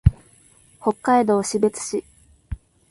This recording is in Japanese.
北海道士別市